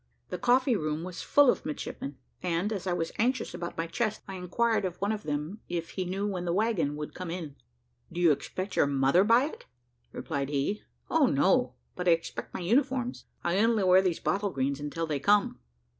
The coffee room was full of midshipmen, and, as I was anxious about my chest, I enquired of one of them if he knew when the waggon would come in. "Do you expect your mother by it?" replied he. "O no! but I expect my uniforms I only wear these bottle greens until they come."